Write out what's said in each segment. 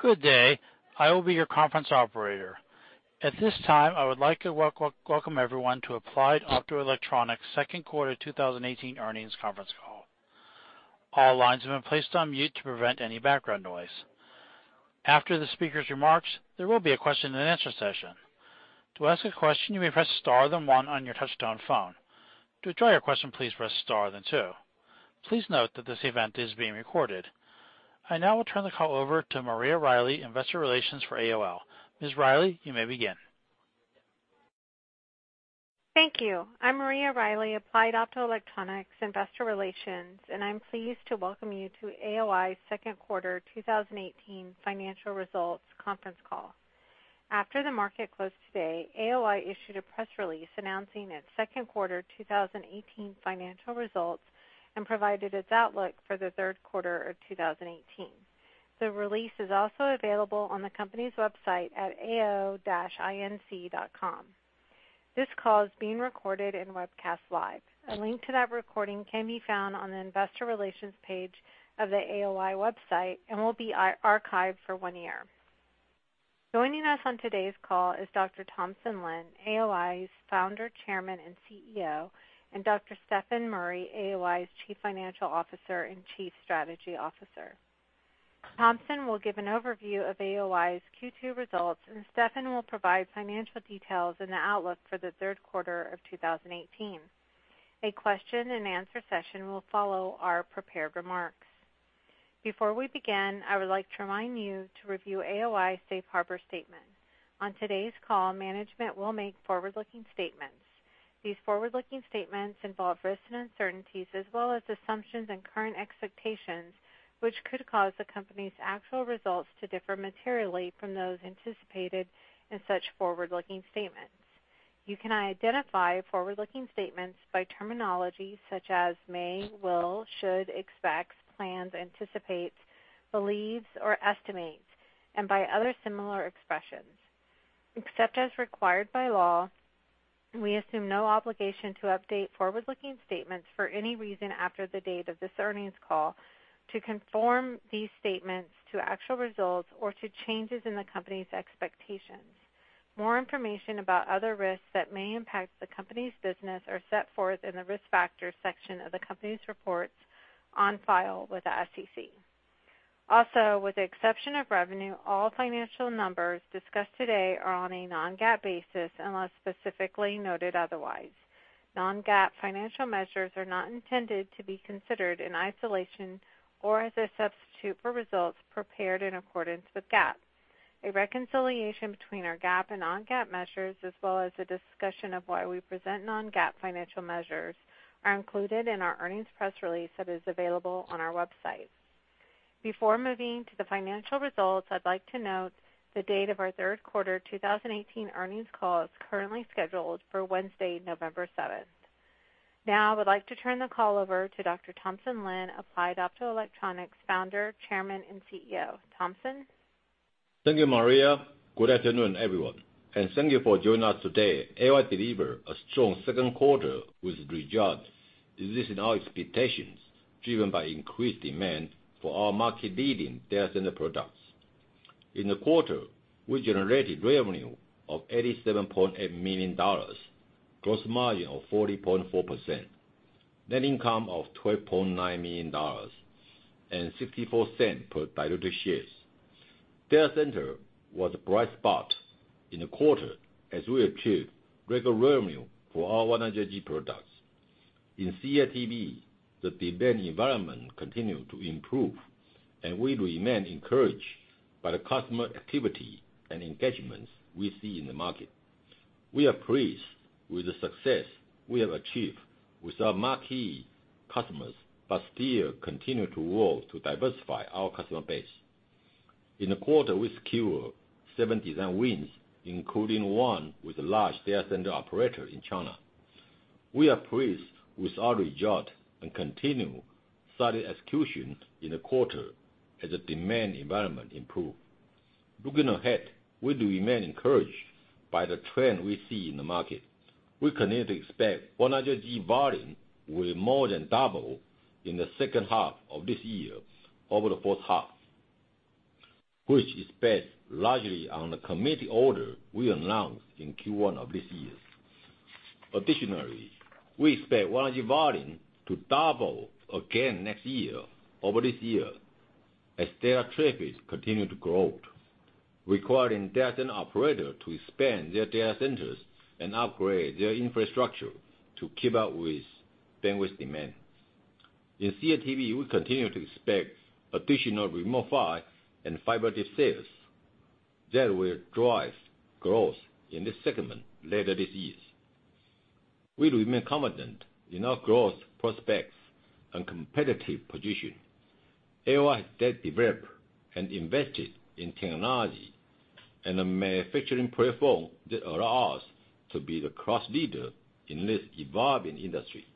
Good day. I will be your conference operator. At this time, I would like to welcome everyone to Applied Optoelectronics second quarter 2018 earnings conference call. All lines have been placed on mute to prevent any background noise. After the speaker's remarks, there will be a question and answer session. To ask a question, you may press star then one on your touch-tone phone. To withdraw your question, please press star then two. Please note that this event is being recorded. I now will turn the call over to Maria Riley, investor relations for AOI. Ms. Riley, you may begin. Thank you. I'm Maria Riley, Applied Optoelectronics investor relations, and I'm pleased to welcome you to AOI second quarter 2018 financial results conference call. After the market closed today, AOI issued a press release announcing its second quarter 2018 financial results and provided its outlook for the third quarter of 2018. The release is also available on the company's website at ao-inc.com. This call is being recorded and webcast live. A link to that recording can be found on the investor relations page of the AOI website and will be archived for one year. Joining us on today's call is Dr. Thompson Lin, AOI's founder, chairman, and CEO, and Dr. Stefan Murry, AOI's chief financial officer and chief strategy officer. Thompson will give an overview of AOI's Q2 results, and Stefan will provide financial details and the outlook for the third quarter of 2018. A question and answer session will follow our prepared remarks. Before we begin, I would like to remind you to review AOI's safe harbor statement. On today's call, management will make forward-looking statements. These forward-looking statements involve risks and uncertainties, as well as assumptions and current expectations, which could cause the company's actual results to differ materially from those anticipated in such forward-looking statements. You can identify forward-looking statements by terminology such as may, will, should, expects, plans, anticipates, believes, or estimates, and by other similar expressions. Except as required by law, we assume no obligation to update forward-looking statements for any reason after the date of this earnings call to conform these statements to actual results or to changes in the company's expectations. More information about other risks that may impact the company's business are set forth in the Risk Factors section of the company's reports on file with the SEC. With the exception of revenue, all financial numbers discussed today are on a non-GAAP basis, unless specifically noted otherwise. Non-GAAP financial measures are not intended to be considered in isolation or as a substitute for results prepared in accordance with GAAP. A reconciliation between our GAAP and non-GAAP measures, as well as a discussion of why we present non-GAAP financial measures, are included in our earnings press release that is available on our website. Before moving to the financial results, I'd like to note the date of our third quarter 2018 earnings call is currently scheduled for Wednesday, November 7th. I would like to turn the call over to Dr. Thompson Lin, Applied Optoelectronics founder, chairman, and CEO. Thompson? Thank you, Maria. Good afternoon, everyone. Thank you for joining us today. AOI delivered a strong second quarter with results exceeding our expectations, driven by increased demand for our market-leading data center products. In the quarter, we generated revenue of $87.8 million, gross margin of 40.4%, net income of $12.9 million, and $0.64 per diluted share. Data center was a bright spot in the quarter as we achieved record revenue for our 100G products. In CATV, the demand environment continued to improve, and we remain encouraged by the customer activity and engagements we see in the market. We are pleased with the success we have achieved with our marquee customers, still continue to work to diversify our customer base. In the quarter, we secured seven design wins, including one with a large data center operator in China. We are pleased with our results and continued solid execution in the quarter as the demand environment improved. Looking ahead, we do remain encouraged by the trend we see in the market. We continue to expect 100G volume will more than double in the second half of this year over the first half, which is based largely on the committed order we announced in Q1 of this year. Additionally, we expect 100G volume to double again next year over this year as data traffic continue to grow, requiring data center operator to expand their data centers and upgrade their infrastructure to keep up with bandwidth demand. In CATV, we continue to expect additional Remote PHY and fiber-deep sales that will drive growth in this segment later this year. We remain confident in our growth prospects and competitive position. AOI has developed and invested in technology and a manufacturing platform that allow us to be the cost leader in this evolving industry.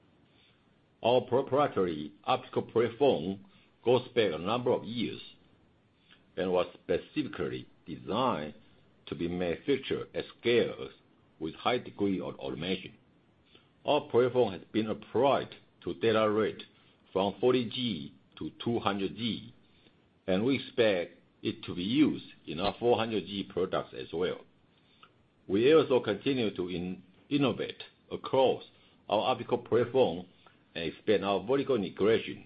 Our proprietary optical platform goes back a number of years and was specifically designed to be manufactured at scale with high degree of automation. Our platform has been applied to data rate from 40G to 200G, and we expect it to be used in our 400G products as well. We also continue to innovate across our optical platform and expand our vertical integration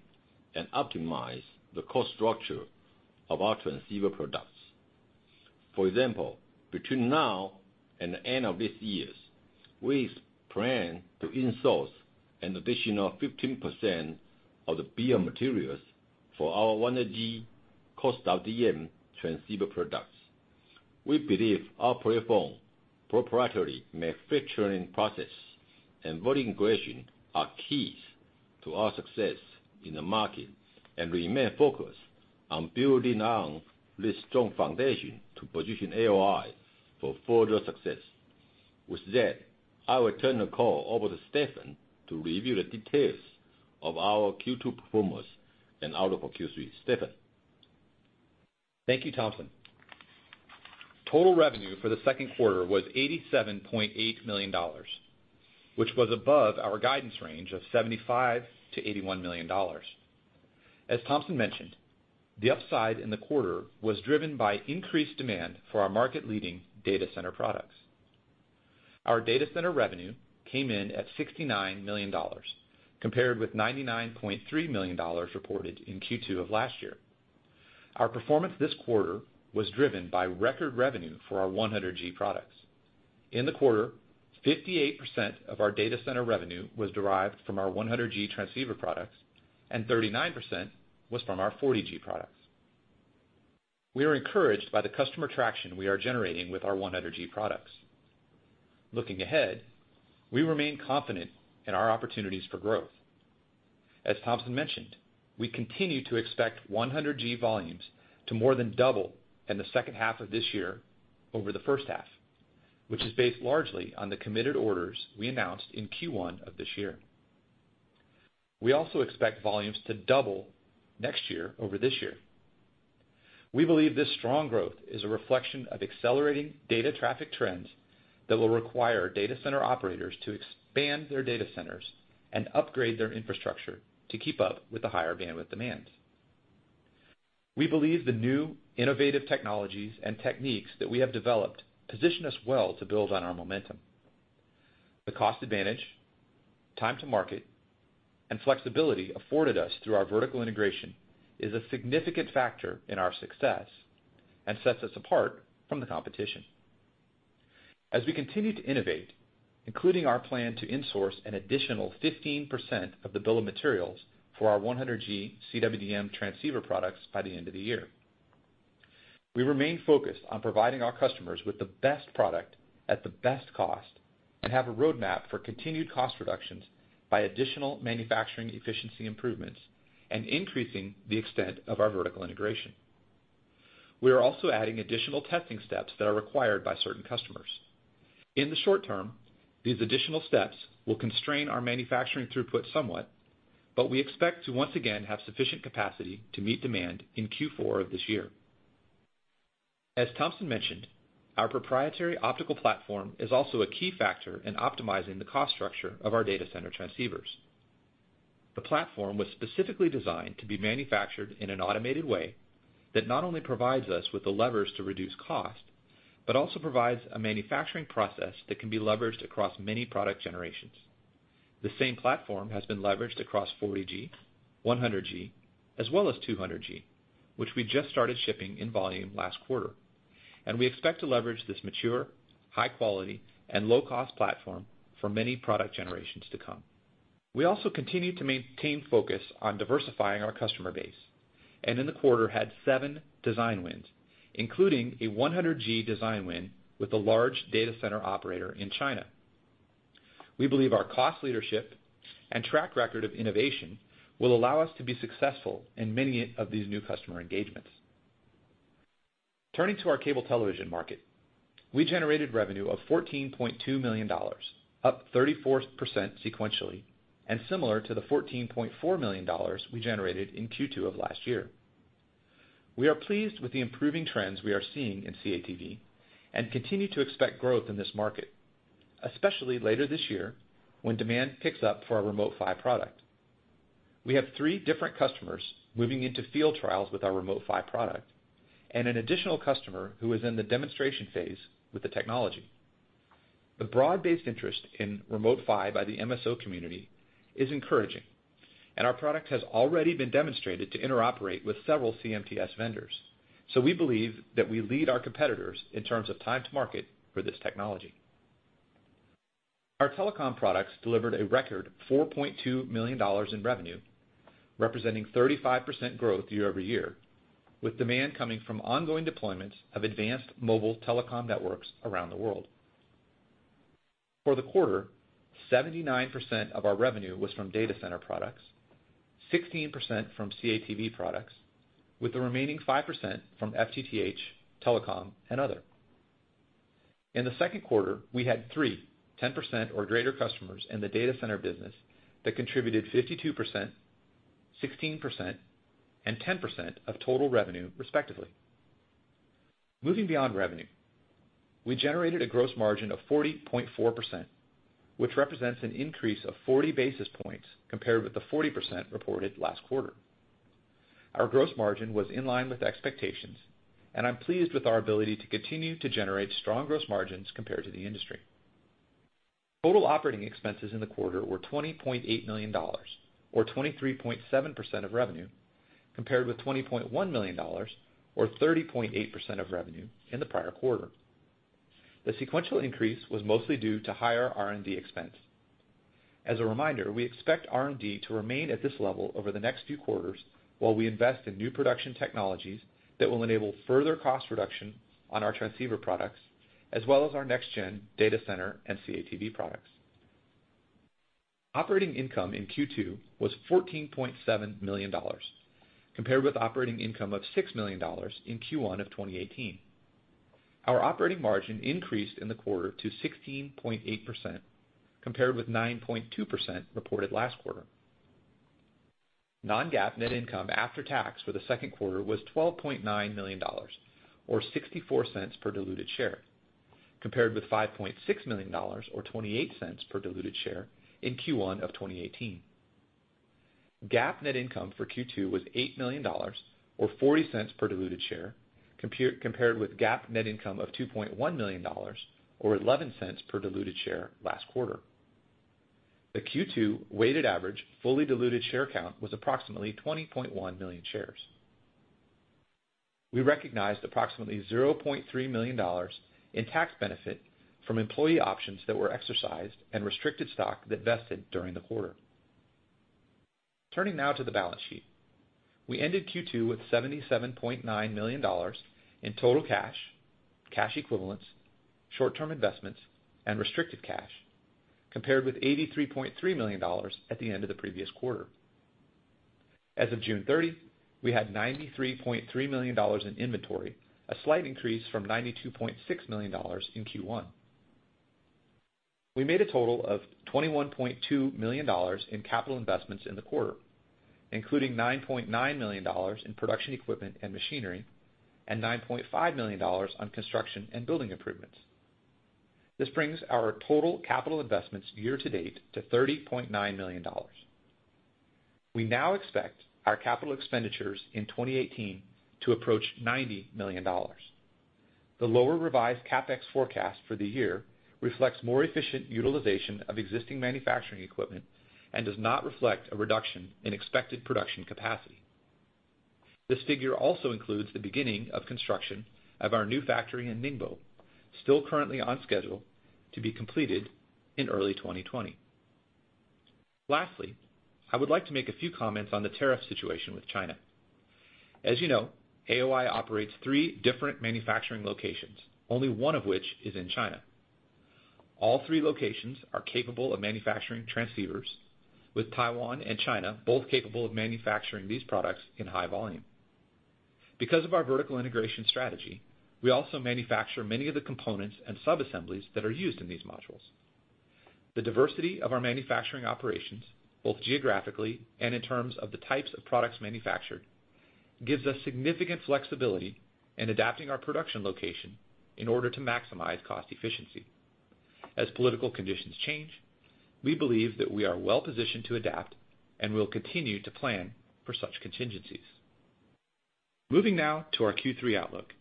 and optimize the cost structure of our transceiver products. For example, between now and the end of this year, we plan to insource an additional 15% of the bill of materials for our 100G CWDM transceiver products. We believe our platform, proprietary manufacturing process, and vertical integration are keys to our success in the market and remain focused on building on this strong foundation to position AOI for further success. With that, I will turn the call over to Stefan to review the details of our Q2 performance and outlook for Q3. Stefan. Thank you, Thompson. Total revenue for the second quarter was $87.8 million, which was above our guidance range of $75 million to $81 million. As Thompson mentioned, the upside in the quarter was driven by increased demand for our market-leading data center products. Our data center revenue came in at $69 million, compared with $99.3 million reported in Q2 of last year. Our performance this quarter was driven by record revenue for our 100G products. In the quarter, 58% of our data center revenue was derived from our 100G transceiver products, and 39% was from our 40G products. We are encouraged by the customer traction we are generating with our 100G products. Looking ahead, we remain confident in our opportunities for growth. As Thompson mentioned, we continue to expect 100G volumes to more than double in the second half of this year over the first half, which is based largely on the committed orders we announced in Q1 of this year. We also expect volumes to double next year over this year. We believe this strong growth is a reflection of accelerating data traffic trends that will require data center operators to expand their data centers and upgrade their infrastructure to keep up with the higher bandwidth demands. We believe the new innovative technologies and techniques that we have developed position us well to build on our momentum. The cost advantage, time to market, and flexibility afforded us through our vertical integration is a significant factor in our success and sets us apart from the competition. As we continue to innovate, including our plan to insource an additional 15% of the bill of materials for our 100G CWDM transceiver products by the end of the year. We remain focused on providing our customers with the best product at the best cost and have a roadmap for continued cost reductions by additional manufacturing efficiency improvements and increasing the extent of our vertical integration. We are also adding additional testing steps that are required by certain customers. In the short term, these additional steps will constrain our manufacturing throughput somewhat, but we expect to once again have sufficient capacity to meet demand in Q4 of this year. As Thompson mentioned, our proprietary optical platform is also a key factor in optimizing the cost structure of our data center transceivers. The platform was specifically designed to be manufactured in an automated way that not only provides us with the levers to reduce cost, but also provides a manufacturing process that can be leveraged across many product generations. The same platform has been leveraged across 40G, 100G, as well as 200G, which we just started shipping in volume last quarter. We expect to leverage this mature, high quality, and low-cost platform for many product generations to come. We also continue to maintain focus on diversifying our customer base, and in the quarter had seven design wins, including a 100G design win with a large data center operator in China. We believe our cost leadership and track record of innovation will allow us to be successful in many of these new customer engagements. Turning to our cable television market, we generated revenue of $14.2 million, up 34% sequentially, and similar to the $14.4 million we generated in Q2 of last year. We are pleased with the improving trends we are seeing in CATV and continue to expect growth in this market, especially later this year when demand picks up for our Remote PHY product. We have three different customers moving into field trials with our Remote PHY product and an additional customer who is in the demonstration phase with the technology. The broad-based interest in Remote PHY by the MSO community is encouraging. Our product has already been demonstrated to interoperate with several CMTS vendors. We believe that we lead our competitors in terms of time to market for this technology. Our telecom products delivered a record $4.2 million in revenue, representing 35% growth year-over-year, with demand coming from ongoing deployments of advanced mobile telecom networks around the world. For the quarter, 79% of our revenue was from data center products, 16% from CATV products, with the remaining 5% from FTTH, telecom, and other. In the second quarter, we had three 10% or greater customers in the data center business that contributed 52%, 16%, and 10% of total revenue, respectively. Moving beyond revenue, we generated a gross margin of 40.4%, which represents an increase of 40 basis points compared with the 40% reported last quarter. Our gross margin was in line with expectations. I'm pleased with our ability to continue to generate strong gross margins compared to the industry. Total operating expenses in the quarter were $20.8 million, or 23.7% of revenue, compared with $20.1 million, or 30.8% of revenue, in the prior quarter. The sequential increase was mostly due to higher R&D expense. As a reminder, we expect R&D to remain at this level over the next few quarters while we invest in new production technologies that will enable further cost reduction on our transceiver products, as well as our next-gen data center and CATV products. Operating income in Q2 was $14.7 million, compared with operating income of $6 million in Q1 of 2018. Our operating margin increased in the quarter to 16.8%, compared with 9.2% reported last quarter. Non-GAAP net income after tax for the second quarter was $12.9 million, or $0.64 per diluted share, compared with $5.6 million or $0.28 per diluted share in Q1 of 2018. GAAP net income for Q2 was $8 million, or $0.40 per diluted share, compared with GAAP net income of $2.1 million, or $0.11 per diluted share last quarter. The Q2 weighted average fully diluted share count was approximately 20.1 million shares. We recognized approximately $0.3 million in tax benefit from employee options that were exercised and restricted stock that vested during the quarter. Turning now to the balance sheet. We ended Q2 with $77.9 million in total cash equivalents, short-term investments, and restricted cash, compared with $83.3 million at the end of the previous quarter. As of June 30, we had $93.3 million in inventory, a slight increase from $92.6 million in Q1. We made a total of $21.2 million in capital investments in the quarter, including $9.9 million in production equipment and machinery and $9.5 million on construction and building improvements. This brings our total capital investments year-to-date to $30.9 million. We now expect our capital expenditures in 2018 to approach $90 million. The lower revised CapEx forecast for the year reflects more efficient utilization of existing manufacturing equipment and does not reflect a reduction in expected production capacity. This figure also includes the beginning of construction of our new factory in Ningbo, still currently on schedule to be completed in early 2020. Lastly, I would like to make a few comments on the tariff situation with China. As you know, AOI operates three different manufacturing locations, only one of which is in China. All three locations are capable of manufacturing transceivers, with Taiwan and China both capable of manufacturing these products in high volume. Because of our vertical integration strategy, we also manufacture many of the components and subassemblies that are used in these modules. The diversity of our manufacturing operations, both geographically and in terms of the types of products manufactured, gives us significant flexibility in adapting our production location in order to maximize cost efficiency. As political conditions change, we believe that we are well-positioned to adapt and will continue to plan for such contingencies. Moving now to our Q3 outlook.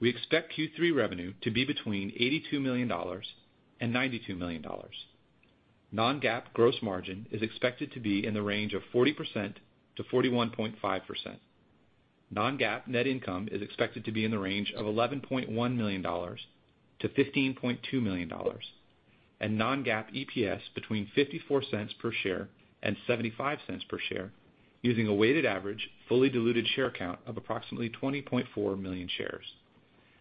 We expect Q3 revenue to be between $82 million and $92 million. Non-GAAP gross margin is expected to be in the range of 40%-41.5%. Non-GAAP net income is expected to be in the range of $11.1 million-$15.2 million, and non-GAAP EPS between $0.54 per share and $0.75 per share using a weighted average fully diluted share count of approximately 20.4 million shares.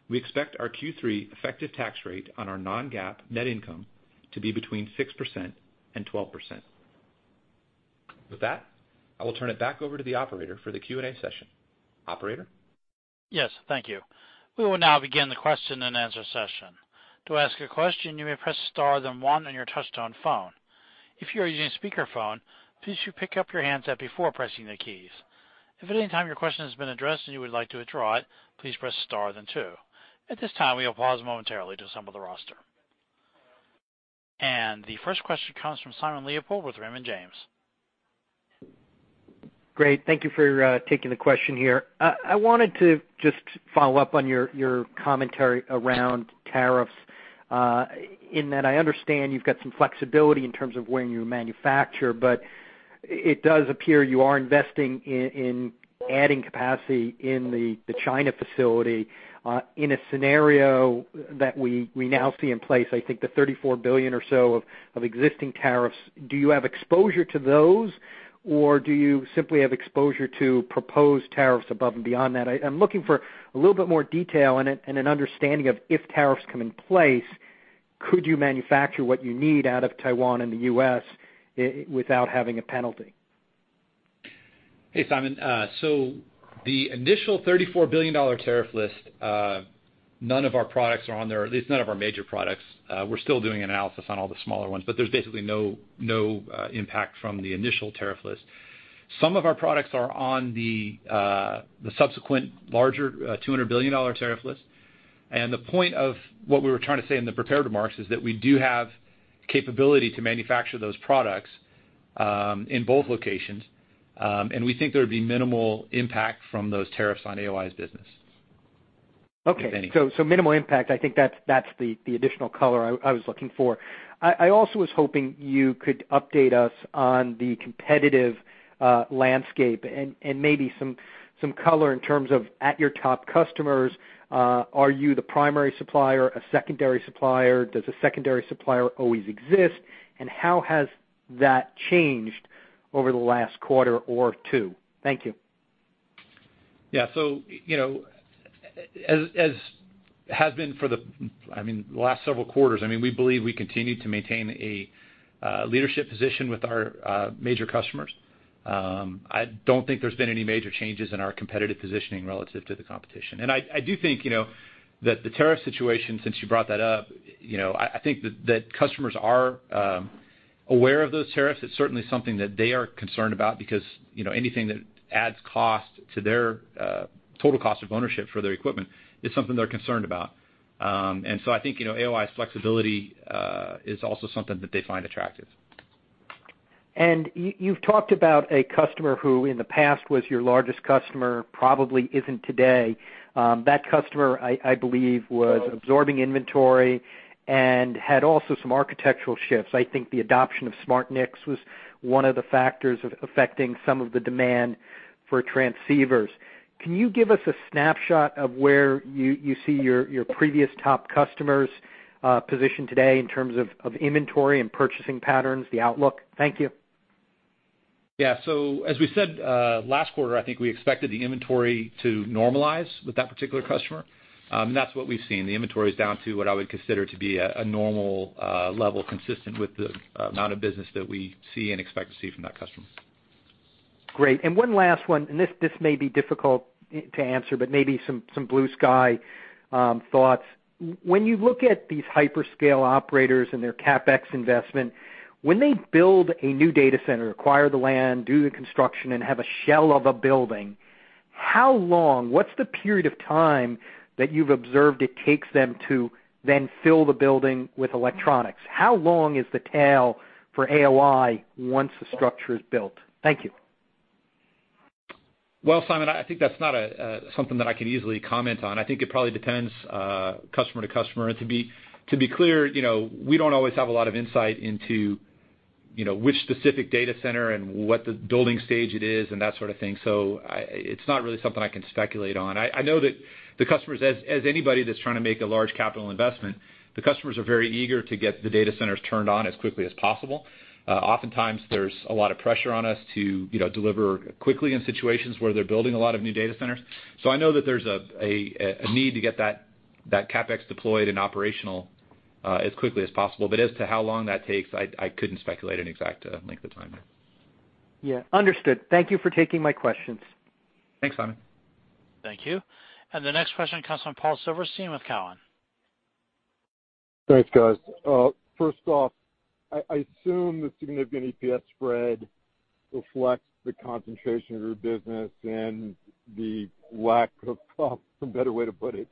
We expect our Q3 effective tax rate on our non-GAAP net income to be between 6% and 12%. With that, I will turn it back over to the operator for the Q&A session. Operator? Yes. Thank you. We will now begin the question-and-answer session. To ask a question, you may press star, then one on your touch-tone phone. If you are using speakerphone, please pick up your handset before pressing the keys. If at any time your question has been addressed and you would like to withdraw it, please press star then two. At this time, we will pause momentarily to assemble the roster. The first question comes from Simon Leopold with Raymond James. Great. Thank you for taking the question here. I wanted to just follow up on your commentary around tariffs, in that I understand you've got some flexibility in terms of where you manufacture, but it does appear you are investing in adding capacity in the China facility in a scenario that we now see in place, I think the $34 billion or so of existing tariffs. Do you have exposure to those, or do you simply have exposure to proposed tariffs above and beyond that? I'm looking for a little bit more detail and an understanding of if tariffs come in place, could you manufacture what you need out of Taiwan and the U.S. without having a penalty? Hey, Simon. The initial $34 billion tariff list, none of our products are on there, at least none of our major products. We're still doing analysis on all the smaller ones, but there's basically no impact from the initial tariff list. Some of our products are on the subsequent larger $200 billion tariff list. The point of what we were trying to say in the prepared remarks is that we do have capability to manufacture those products, in both locations. We think there would be minimal impact from those tariffs on AOI's business. Okay. If any. Minimal impact. I think that's the additional color I was looking for. I also was hoping you could update us on the competitive landscape and maybe some color in terms of at your top customers, are you the primary supplier, a secondary supplier, does a secondary supplier always exist, and how has that changed over the last quarter or two? Thank you. Yeah. As has been for the last several quarters, we believe we continue to maintain a leadership position with our major customers. I don't think there's been any major changes in our competitive positioning relative to the competition. I do think that the tariff situation, since you brought that up, I think that customers are aware of those tariffs. It's certainly something that they are concerned about because anything that adds cost to their total cost of ownership for their equipment is something they're concerned about. I think AOI's flexibility is also something that they find attractive. You've talked about a customer who in the past was your largest customer, probably isn't today. That customer, I believe, was absorbing inventory and had also some architectural shifts. I think the adoption of SmartNICs was one of the factors affecting some of the demand for transceivers. Can you give us a snapshot of where you see your previous top customer's position today in terms of inventory and purchasing patterns, the outlook? Thank you. Yeah. As we said, last quarter, I think we expected the inventory to normalize with that particular customer. That's what we've seen. The inventory is down to what I would consider to be a normal level consistent with the amount of business that we see and expect to see from that customer. Great. One last one, and this may be difficult to answer, but maybe some blue sky thoughts. When you look at these hyperscale operators and their CapEx investment, when they build a new data center, acquire the land, do the construction, and have a shell of a building, how long, what's the period of time that you've observed it takes them to then fill the building with electronics? How long is the tail for AOI once the structure is built? Thank you. Well, Simon, I think that's not something that I can easily comment on. I think it probably depends customer to customer. To be clear, we don't always have a lot of insight into which specific data center and what the building stage it is and that sort of thing. It's not really something I can speculate on. I know that the customers, as anybody that's trying to make a large capital investment, the customers are very eager to get the data centers turned on as quickly as possible. Oftentimes there's a lot of pressure on us to deliver quickly in situations where they're building a lot of new data centers. I know that there's a need to get that CapEx deployed and operational, as quickly as possible. As to how long that takes, I couldn't speculate an exact length of time there. Yeah. Understood. Thank you for taking my questions. Thanks, Simon. Thank you. The next question comes from Paul Silverstein with Cowen. Thanks, guys. First off, I assume the significant EPS spread reflects the concentration of your business and the lack of some better way to put it,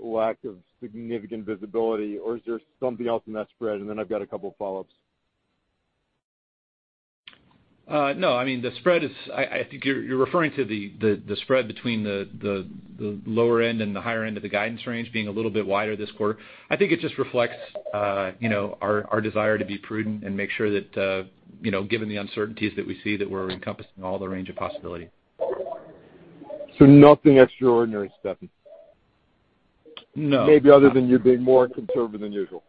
lack of significant visibility, or is there something else in that spread? I've got a couple of follow-ups. No. I think you're referring to the spread between the lower end and the higher end of the guidance range being a little bit wider this quarter. I think it just reflects our desire to be prudent and make sure that, given the uncertainties that we see, that we're encompassing all the range of possibility. Nothing extraordinary, Stefan? No. Maybe other than you being more conservative than usual.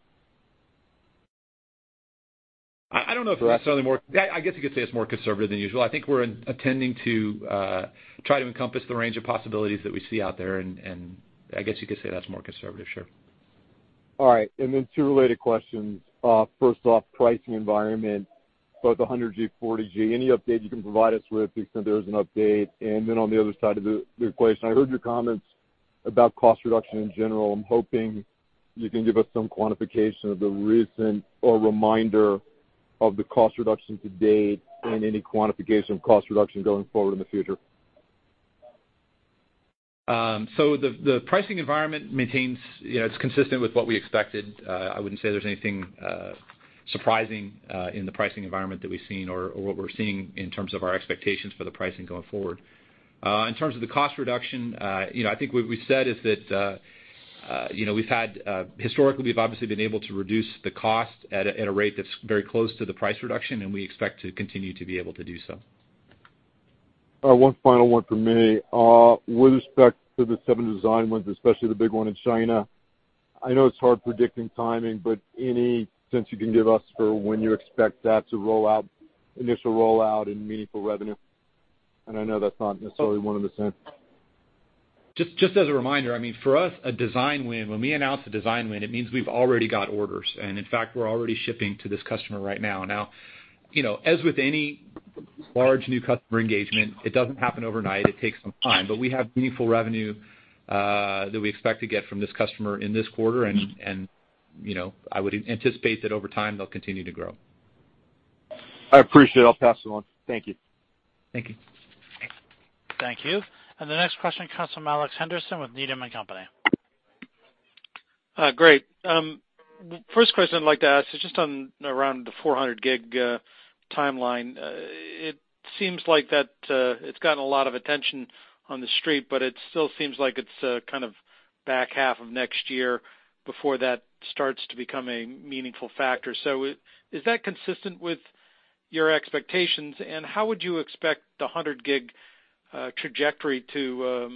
I don't know if necessarily more I guess you could say it's more conservative than usual. I think we're intending to try to encompass the range of possibilities that we see out there, and I guess you could say that's more conservative. Sure. All right. Then two related questions. First off, pricing environment, both 100G, 40G. Any update you can provide us with to the extent there is an update? On the other side of the equation, I heard your comments about cost reduction in general. I'm hoping you can give us some quantification of the recent or reminder of the cost reduction to date and any quantification of cost reduction going forward in the future. The pricing environment maintains, it's consistent with what we expected. I wouldn't say there's anything surprising in the pricing environment that we've seen or what we're seeing in terms of our expectations for the pricing going forward. In terms of the cost reduction, I think what we said is that historically, we've obviously been able to reduce the cost at a rate that's very close to the price reduction, and we expect to continue to be able to do so. One final one from me. With respect to the seven design wins, especially the big one in China, I know it's hard predicting timing, but any sense you can give us for when you expect that to initial rollout and meaningful revenue? I know that's not necessarily 100%. Just as a reminder, for us, a design win, when we announce a design win, it means we've already got orders. In fact, we're already shipping to this customer right now. As with any large new customer engagement, it doesn't happen overnight. It takes some time. We have meaningful revenue that we expect to get from this customer in this quarter and I would anticipate that over time they'll continue to grow. I appreciate it. I'll pass it on. Thank you. Thank you. Thank you. The next question comes from Alex Henderson with Needham & Company. Great. First question I'd like to ask is just around the 400G timeline. It seems like that it's gotten a lot of attention on the street, but it still seems like it's kind of back half of next year before that starts to become a meaningful factor. Is that consistent with your expectations, and how would you expect the 100G trajectory to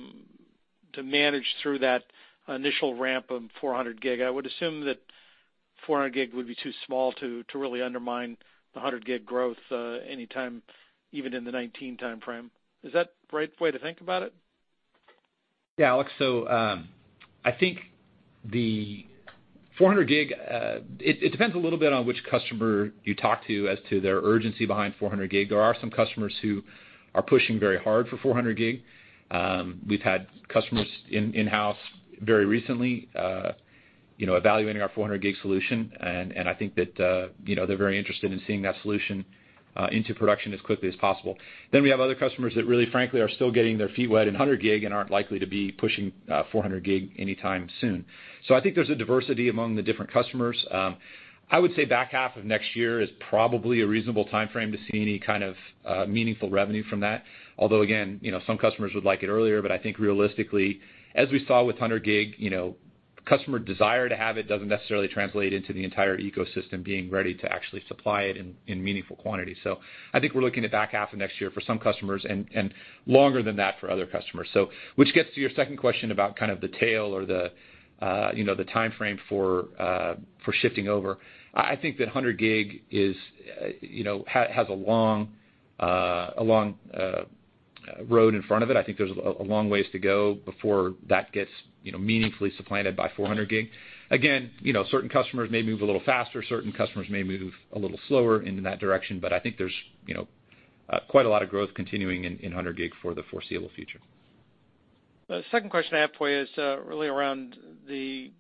manage through that initial ramp of 400G? I would assume that 400G would be too small to really undermine the 100G growth anytime, even in the 2019 timeframe. Is that right way to think about it? Yeah, Alex. I think the 400G, it depends a little bit on which customer you talk to as to their urgency behind 400G. There are some customers who are pushing very hard for 400G. We've had customers in-house very recently evaluating our 400G solution, and I think that they're very interested in seeing that solution into production as quickly as possible. We have other customers that really, frankly, are still getting their feet wet in 100G and aren't likely to be pushing 400G anytime soon. I think there's a diversity among the different customers. I would say back half of next year is probably a reasonable timeframe to see any kind of meaningful revenue from that. Although, again, some customers would like it earlier. I think realistically, as we saw with 100G, customer desire to have it doesn't necessarily translate into the entire ecosystem being ready to actually supply it in meaningful quantity. I think we're looking at back half of next year for some customers and longer than that for other customers. Which gets to your second question about the tail or the timeframe for shifting over. I think that 100G has a long road in front of it. I think there's a long ways to go before that gets meaningfully supplanted by 400G. Again, certain customers may move a little faster, certain customers may move a little slower into that direction, but I think there's quite a lot of growth continuing in 100G for the foreseeable future. The second question I have for you is really around the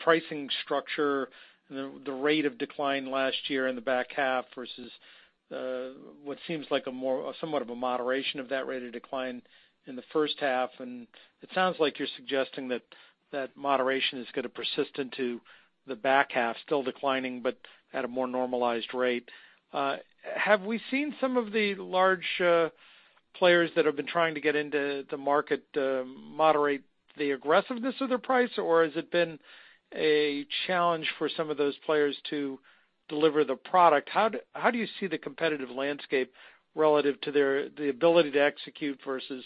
pricing structure and the rate of decline last year in the back half versus what seems like somewhat of a moderation of that rate of decline in the first half. It sounds like you're suggesting that that moderation is going to persist into the back half, still declining, but at a more normalized rate. Have we seen some of the large players that have been trying to get into the market moderate the aggressiveness of their price, or has it been a challenge for some of those players to deliver the product? How do you see the competitive landscape relative to the ability to execute versus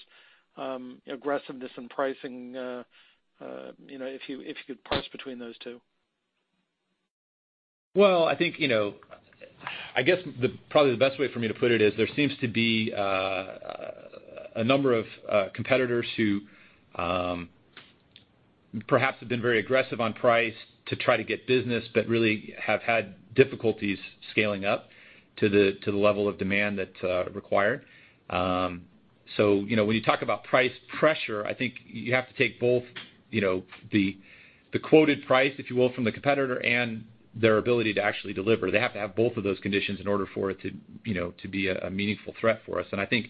aggressiveness in pricing, if you could parse between those two? Well, I guess probably the best way for me to put it is there seems to be a number of competitors who perhaps have been very aggressive on price to try to get business but really have had difficulties scaling up to the level of demand that's required. When you talk about price pressure, I think you have to take both the quoted price, if you will, from the competitor and their ability to actually deliver. They have to have both of those conditions in order for it to be a meaningful threat for us. I think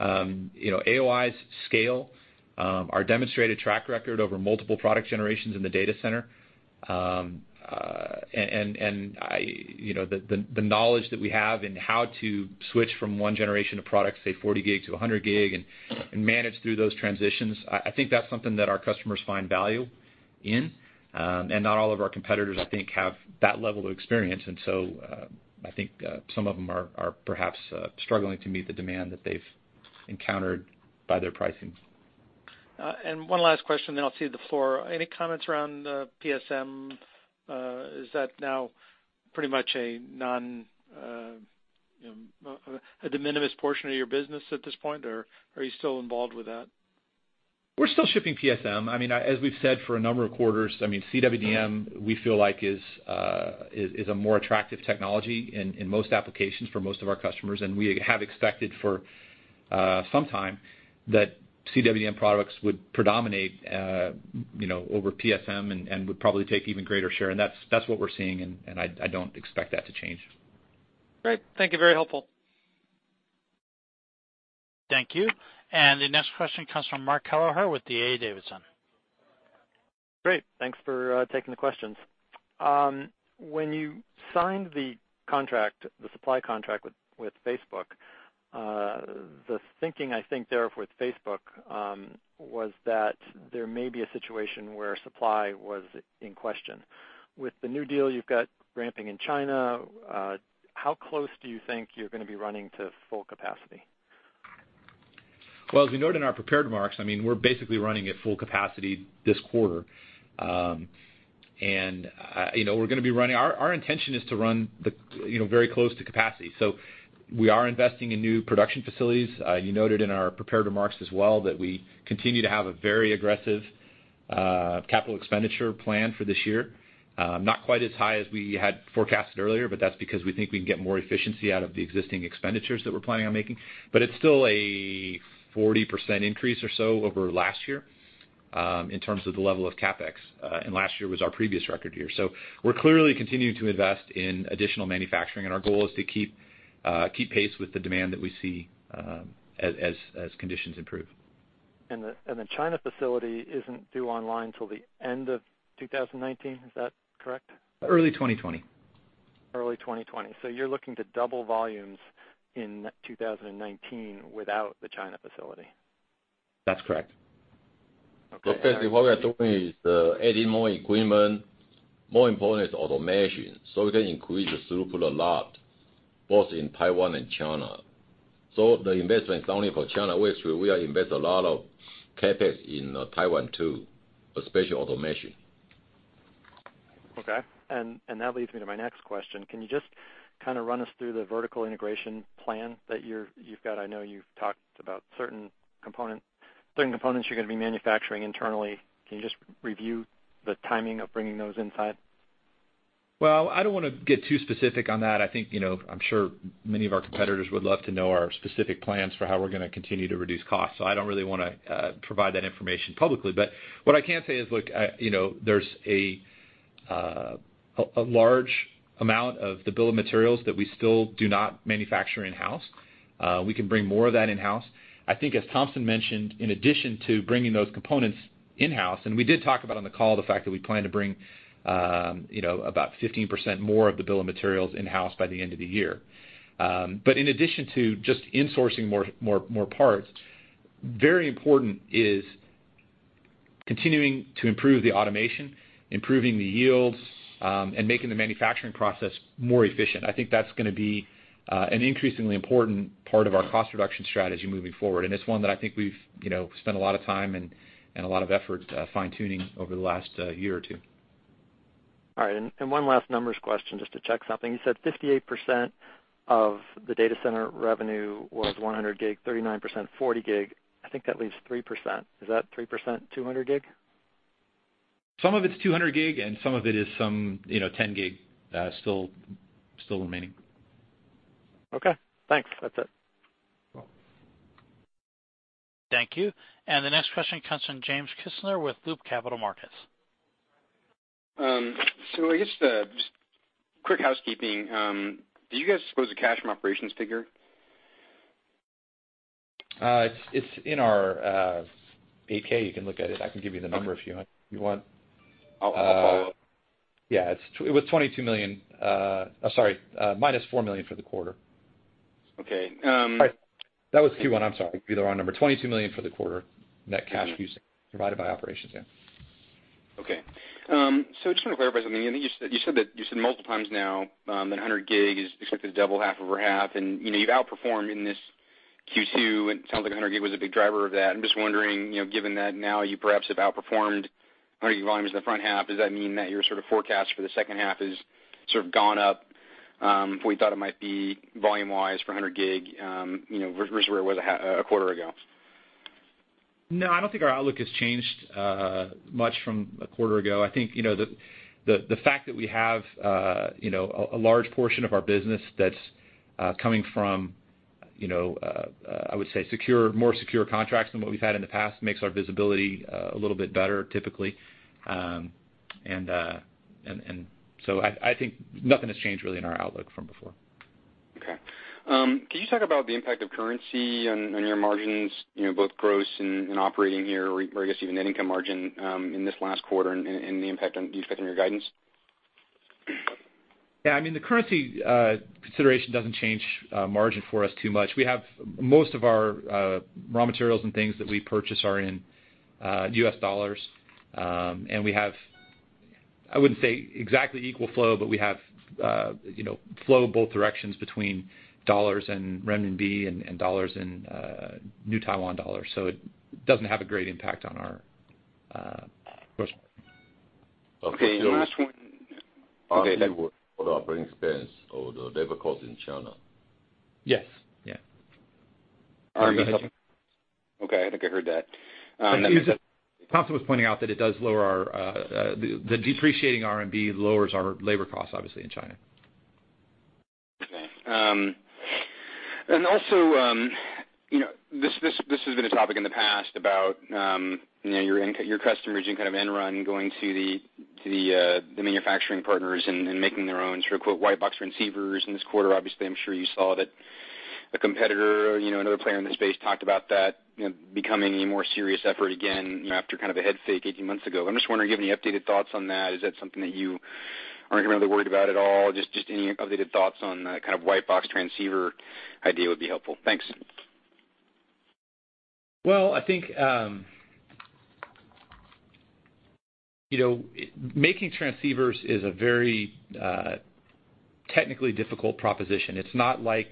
AOI's scale, our demonstrated track record over multiple product generations in the data center, and the knowledge that we have in how to switch from one generation of product, say 40G to 100G, and manage through those transitions, I think that's something that our customers find value in. Not all of our competitors, I think, have that level of experience. I think some of them are perhaps struggling to meet the demand that they've encountered by their pricing. One last question, then I'll cede the floor. Any comments around PSM? Is that now pretty much a de minimis portion of your business at this point, or are you still involved with that? We're still shipping PSM. As we've said for a number of quarters, CWDM, we feel like is a more attractive technology in most applications for most of our customers, and we have expected for some time that CWDM products would predominate over PSM and would probably take even greater share. That's what we're seeing, and I don't expect that to change. Great. Thank you. Very helpful. Thank you. The next question comes from Mark Kelleher with D.A. Davidson. Great. Thanks for taking the questions. When you signed the supply contract with Facebook, the thinking, I think there with Facebook, was that there may be a situation where supply was in question. With the new deal you've got ramping in China, how close do you think you're going to be running to full capacity? Well, as we noted in our prepared remarks, we're basically running at full capacity this quarter. Our intention is to run very close to capacity. We are investing in new production facilities. You noted in our prepared remarks as well that we continue to have a very aggressive capital expenditure plan for this year. Not quite as high as we had forecasted earlier, but that's because we think we can get more efficiency out of the existing expenditures that we're planning on making. But it's still a 40% increase or so over last year. In terms of the level of CapEx, last year was our previous record year. We're clearly continuing to invest in additional manufacturing, and our goal is to keep pace with the demand that we see as conditions improve. The China facility isn't due online till the end of 2019. Is that correct? Early 2020. Early 2020. You're looking to double volumes in 2019 without the China facility. That's correct. Okay. Basically, what we are doing is adding more equipment. More important is automation, so we can increase the throughput a lot, both in Taiwan and China. The investment is not only for China, we invest a lot of CapEx in Taiwan too, especially automation. Okay. That leads me to my next question. Can you just run us through the vertical integration plan that you've got? I know you've talked about certain components you're going to be manufacturing internally. Can you just review the timing of bringing those inside? Well, I don't want to get too specific on that. I'm sure many of our competitors would love to know our specific plans for how we're going to continue to reduce costs. I don't really want to provide that information publicly. What I can say is, look, there's a large amount of the bill of materials that we still do not manufacture in-house. We can bring more of that in-house. I think, as Thompson mentioned, in addition to bringing those components in-house, and we did talk about on the call the fact that we plan to bring about 15% more of the bill of materials in-house by the end of the year. In addition to just insourcing more parts, very important is continuing to improve the automation, improving the yields, and making the manufacturing process more efficient. I think that's going to be an increasingly important part of our cost reduction strategy moving forward. It's one that I think we've spent a lot of time and a lot of effort fine-tuning over the last year or two. All right. One last numbers question, just to check something. You said 58% of the data center revenue was 100G, 39%, 40G. I think that leaves 3%. Is that 3% 200G? Some of it's 200G, and some of it is some 10G still remaining. Okay. Thanks. That's it. You're welcome. Thank you. The next question comes from James Kisner with Loop Capital Markets. I guess just quick housekeeping. Do you guys disclose a cash from operations figure? It's in our 8-K. You can look at it. I can give you the number if you want. I'll follow up. Yeah. It was $22 million. Sorry, minus $4 million for the quarter. Okay. That was Q1, I'm sorry. Give you the wrong number. $22 million for the quarter, net cash used, provided by operations, yeah. Okay. Just want to clarify something. You said multiple times now that 100G is expected to double half over half, and you've outperformed in this Q2, and it sounds like 100G was a big driver of that. I'm just wondering, given that now you perhaps have outperformed 100G volumes in the front half, does that mean that your sort of forecast for the second half has sort of gone up from what you thought it might be volume-wise for 100G, versus where it was a quarter ago? No, I don't think our outlook has changed much from a quarter ago. I think the fact that we have a large portion of our business that's coming from, I would say, more secure contracts than what we've had in the past makes our visibility a little bit better, typically. I think nothing has changed really in our outlook from before. Okay. Can you talk about the impact of currency on your margins, both gross and operating here, or I guess even net income margin, in this last quarter and the impact on your guidance? Yeah. The currency consideration doesn't change margin for us too much. We have most of our raw materials and things that we purchase are in US dollars. We have, I wouldn't say exactly equal flow, but we have flow both directions between dollars and RMB and dollars and TWD. It doesn't have a great impact on our gross margin. Okay. Last one. Okay. Our operating expense or the labor cost in China. Yes. Yeah. Okay. I think I heard that. Thompson was pointing out that the depreciating RMB lowers our labor costs, obviously, in China. Okay. Also, this has been a topic in the past about your customers doing kind of end run going to the manufacturing partners and making their own "white box transceivers." In this quarter, obviously, I'm sure you saw that a competitor, another player in the space talked about that becoming a more serious effort again after kind of a head fake 18 months ago. I'm just wondering, do you have any updated thoughts on that? Is that something that you aren't really worried about at all? Just any updated thoughts on the kind of white box transceiver idea would be helpful. Thanks. Well, I think making transceivers is a very technically difficult proposition. It's not like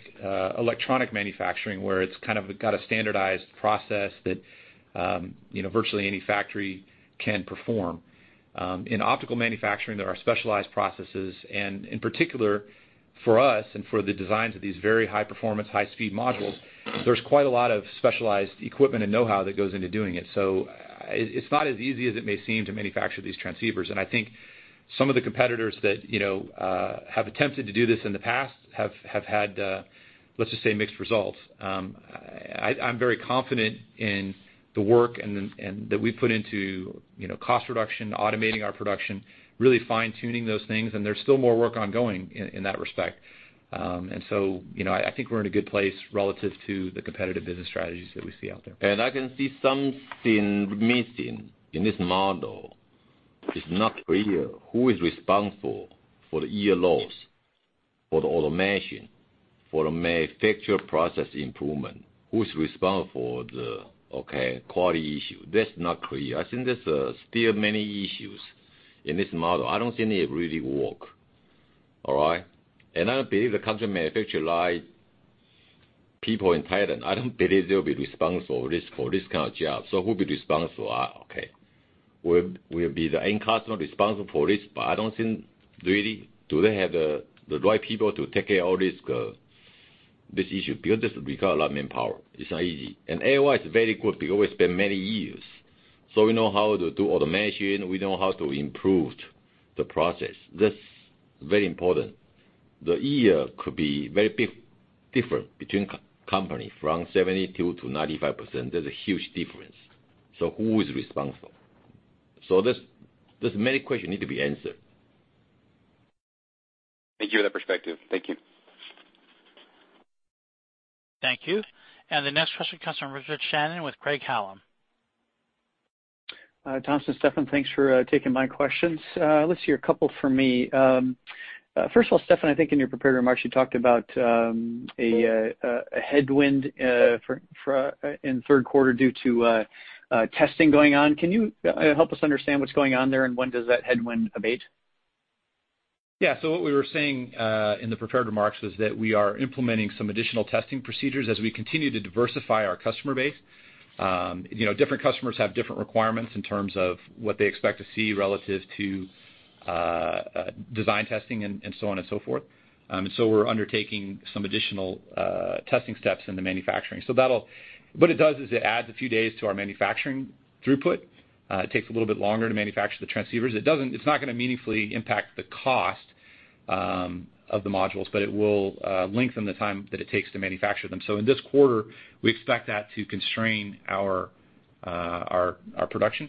electronic manufacturing where it's kind of got a standardized process that virtually any factory can perform. In optical manufacturing, there are specialized processes, and in particular for us and for the designs of these very high-performance, high-speed modules, there's quite a lot of specialized equipment and know-how that goes into doing it. It's not as easy as it may seem to manufacture these transceivers. I think some of the competitors that have attempted to do this in the past have had, let's just say, mixed results. I'm very confident in the work that we've put into cost reduction, automating our production, really fine-tuning those things, and there's still more work ongoing in that respect. I think we're in a good place relative to the competitive business strategies that we see out there. I can see something missing in this model. It's not clear who is responsible for the yield loss, for the automation, for manufacture process improvement. Who's responsible for the quality issue? That's not clear. I think there's still many issues in this model. I don't think it really work. All right? I don't believe the contract manufacturer, like people in Thailand, I don't believe they'll be responsible for this kind of job. Who will be responsible? Okay. Will it be the end customer responsible for this? I don't think really, do they have the right people to take care of all this issue? Because this will require a lot of manpower. It's not easy. AOI is very good because we spend many years. We know how to do automation, we know how to improve the process. That's very important. The yield could be very different between company, from 72%-95%. There's a huge difference. Who is responsible? There's many questions need to be answered. Thank you for that perspective. Thank you. Thank you. The next question comes from Richard Shannon with Craig-Hallum. Thompson and Stefan, thanks for taking my questions. Let's hear a couple from me. First of all, Stefan, I think in your prepared remarks, you talked about a headwind in third quarter due to testing going on. Can you help us understand what's going on there, and when does that headwind abate? What we were saying in the prepared remarks was that we are implementing some additional testing procedures as we continue to diversify our customer base. Different customers have different requirements in terms of what they expect to see relative to design testing and so on and so forth. We're undertaking some additional testing steps in the manufacturing. What it does is it adds a few days to our manufacturing throughput. It takes a little bit longer to manufacture the transceivers. It's not going to meaningfully impact the cost of the modules, but it will lengthen the time that it takes to manufacture them. In this quarter, we expect that to constrain our production.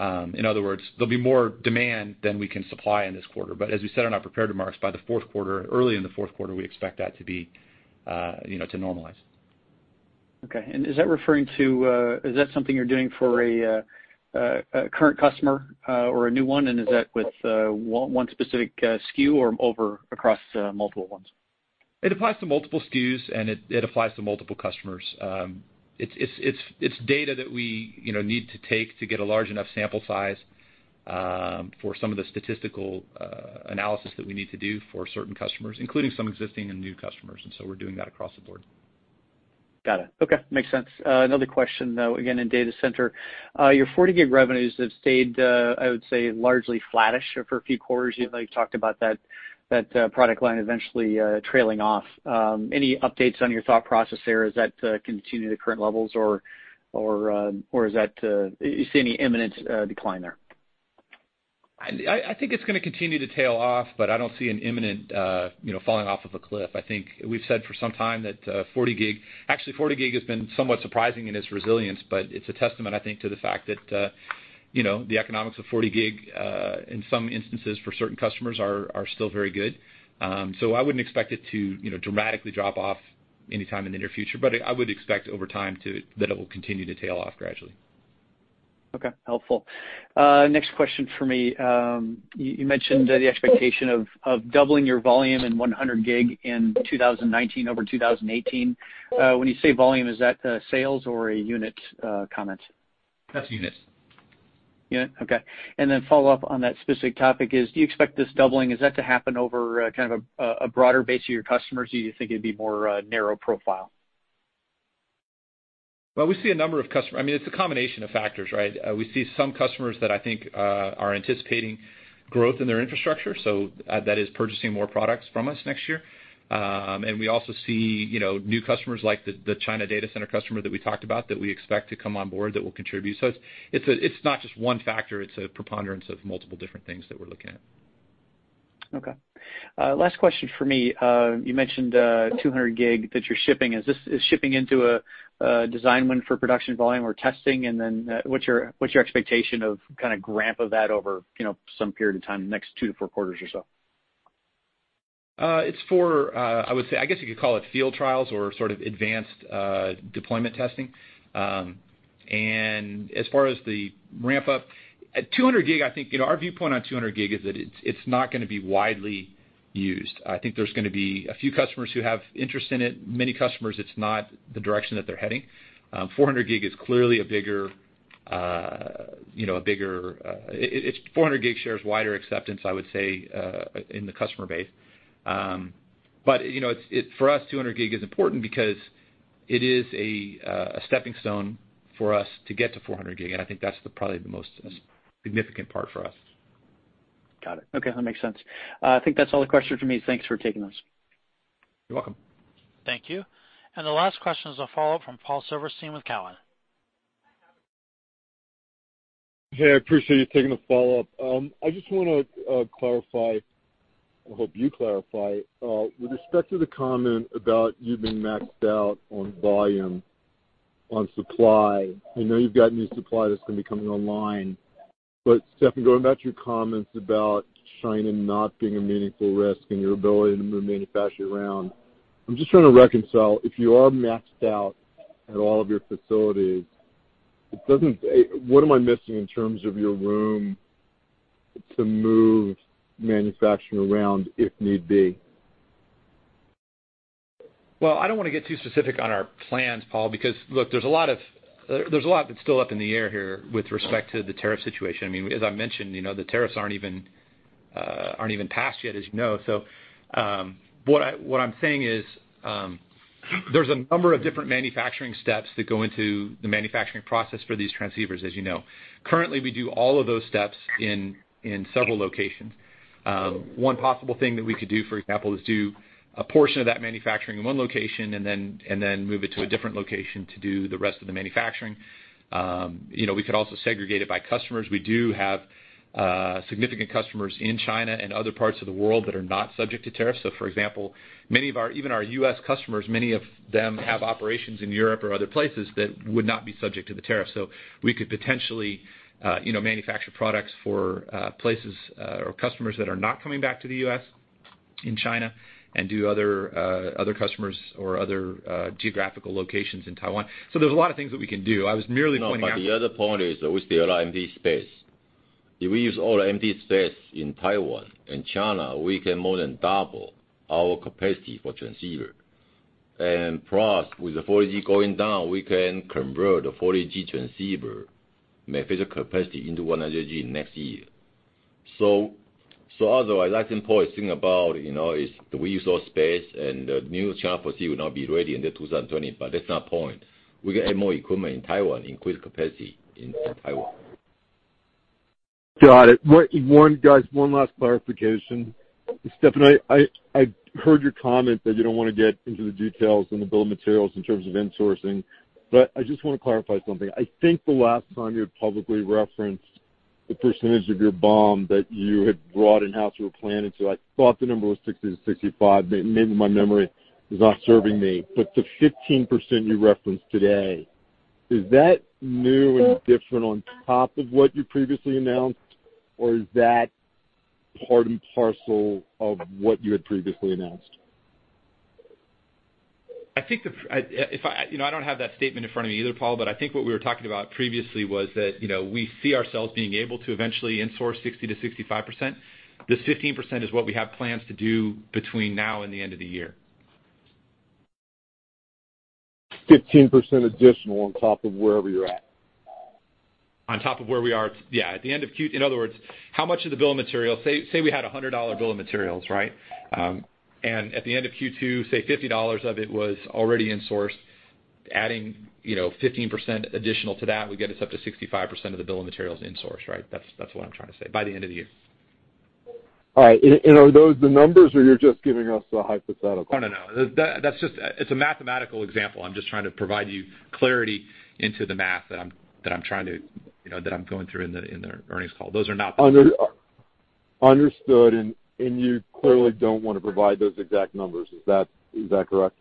In other words, there will be more demand than we can supply in this quarter. As we said in our prepared remarks, by the fourth quarter, early in the fourth quarter, we expect that to normalize. Okay. Is that something you're doing for a current customer or a new one? Is that with one specific SKU or across multiple ones? It applies to multiple SKUs. It applies to multiple customers. It's data that we need to take to get a large enough sample size for some of the statistical analysis that we need to do for certain customers, including some existing and new customers. We're doing that across the board. Got it. Okay. Makes sense. Another question, though, again, in data center. Your 40G revenues have stayed, I would say, largely flattish for a few quarters. You've talked about that product line eventually trailing off. Any updates on your thought process there? Is that continuing at current levels, or do you see any imminent decline there? I think it's going to continue to tail off, but I don't see an imminent falling off of a cliff. I think we've said for some time that Actually, 40 Gig has been somewhat surprising in its resilience, but it's a testament, I think, to the fact that the economics of 40 Gig, in some instances for certain customers, are still very good. I wouldn't expect it to dramatically drop off anytime in the near future, but I would expect over time that it will continue to tail off gradually. Okay. Helpful. Next question for me. You mentioned the expectation of doubling your volume in 100G in 2019 over 2018. When you say volume, is that sales or a unit comment? That's units. Unit. Okay. Follow-up on that specific topic is, do you expect this doubling, is that to happen over a broader base of your customers, or do you think it'd be more narrow profile? Well, it's a combination of factors, right? We see some customers that I think are anticipating growth in their infrastructure, so that is purchasing more products from us next year. We also see new customers like the China data center customer that we talked about, that we expect to come on board that will contribute. It's not just one factor, it's a preponderance of multiple different things that we're looking at. Okay. Last question for me. You mentioned 200G that you're shipping. Is this shipping into a design win for production volume or testing? What's your expectation of ramp of that over some period of time in the next two to four quarters or so? It's for, I guess you could call it field trials or sort of advanced deployment testing. As far as the ramp up, at 200G, I think our viewpoint on 200G is that it's not going to be widely used. I think there's going to be a few customers who have interest in it. Many customers, it's not the direction that they're heading. 400G is clearly 400G shares wider acceptance, I would say, in the customer base. For us, 200G is important because it is a stepping stone for us to get to 400G, and I think that's probably the most significant part for us. Got it. Okay. That makes sense. I think that's all the questions from me. Thanks for taking those. You're welcome. Thank you. The last question is a follow-up from Paul Silverstein with Cowen. Hey, I appreciate you taking the follow-up. I just want to clarify, I hope you clarify, with respect to the comment about you being maxed out on volume, on supply. I know you've got new supply that's going to be coming online. Stefan, going back to your comments about China not being a meaningful risk and your ability to move manufacturing around, I'm just trying to reconcile, if you are maxed out at all of your facilities, what am I missing in terms of your room to move manufacturing around if need be? Well, I don't want to get too specific on our plans, Paul, because look, there's a lot that's still up in the air here with respect to the tariff situation. As I mentioned, the tariffs aren't even passed yet, as you know. What I'm saying is, there's a number of different manufacturing steps that go into the manufacturing process for these transceivers, as you know. Currently, we do all of those steps in several locations. One possible thing that we could do, for example, is do a portion of that manufacturing in one location and then move it to a different location to do the rest of the manufacturing. We could also segregate it by customers. We do have significant customers in China and other parts of the world that are not subject to tariffs. For example, many of our, even our U.S. customers, many of them have operations in Europe or other places that would not be subject to the tariff. We could potentially manufacture products for places, or customers that are not coming back to the U.S., in China, and do other customers or other geographical locations in Taiwan. There's a lot of things that we can do. I was merely pointing out. The other point is that we still have empty space. If we use all the empty space in Taiwan and China, we can more than double our capacity for transceiver. With the 40G going down, we can convert the 40G transceiver manufacture capacity into 100G next year. I think Paul is thinking about is, do we use our space and the new China facility will not be ready until 2020, but that's not point. We can add more equipment in Taiwan, increase capacity in Taiwan. Got it. Guys, one last clarification. Stefan, I heard your comment that you don't want to get into the details and the Bill of Materials in terms of insourcing, but I just want to clarify something. I think the last time you had publicly referenced the percentage of your BOM that you had brought in-house or were planning to, I thought the number was 60%-65%, maybe my memory is not serving me. The 15% you referenced today, is that new and different on top of what you previously announced, or is that part and parcel of what you had previously announced? I don't have that statement in front of me either, Paul, but I think what we were talking about previously was that, we see ourselves being able to eventually in-source 60%-65%. This 15% is what we have plans to do between now and the end of the year. 15% additional on top of wherever you're at? On top of where we are. Yeah. In other words, how much of the bill of materials, say we had a $100 bill of materials, right? At the end of Q2, say $50 of it was already insourced. Adding 15% additional to that would get us up to 65% of the bill of materials insourced, right? That's what I'm trying to say, by the end of the year. All right. Are those the numbers, or you're just giving us a hypothetical? Oh, no. It's a mathematical example. I'm just trying to provide you clarity into the math that I'm going through in the earnings call. Understood. You clearly don't want to provide those exact numbers, is that correct?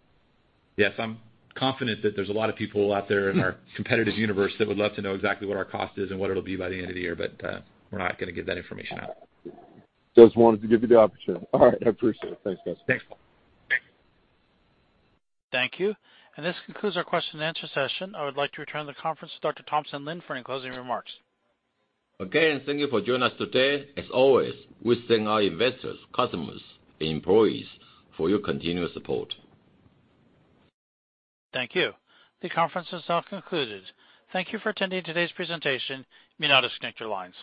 Yes. I'm confident that there's a lot of people out there in our competitive universe that would love to know exactly what our cost is and what it'll be by the end of the year, but we're not going to give that information out. Just wanted to give you the opportunity. All right, I appreciate it. Thanks, guys. Thanks, Paul. Thank you. Thank you. This concludes our question and answer session. I would like to return the conference to Dr. Thompson Lin for any closing remarks. Again, thank you for joining us today. As always, we thank our investors, customers, and employees for your continuous support. Thank you. The conference is now concluded. Thank you for attending today's presentation. You may now disconnect your lines.